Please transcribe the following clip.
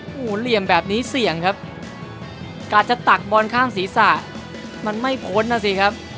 โอ้โหเหลี่ยมแบบนี้เสี่ยงครับการจะตักบอลข้างศีรษะมันไม่พ้นนะสิครับ